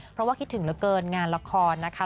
เพราะว่าคิดถึงเหลือเกินงานละครนะคะ